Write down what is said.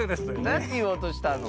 なんていおうとしたの？